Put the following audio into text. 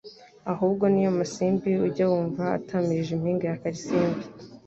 ahubwo ni yo masimbi ujya wumva atamirije impinga ya Karisimbi